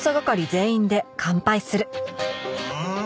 うん！